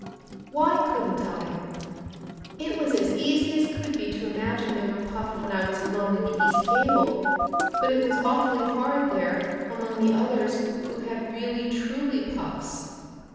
Why couldn't I? It was as easy as could be to imagine they were puffed when I was alone in the east gable, but it was awfully hard there among the others who had really truly puffs."